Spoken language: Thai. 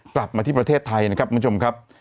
กลับมาที่ประเทศไทยนะครับคุณผู้ชมครับ